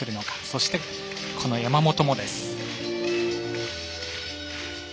そして、山本もです。